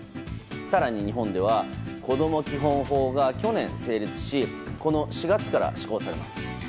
更に日本ではこども基本法が去年成立しこの４月から施行されます。